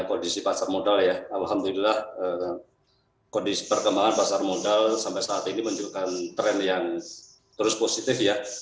kondisi pasar modal ya alhamdulillah kondisi perkembangan pasar modal sampai saat ini menunjukkan tren yang terus positif ya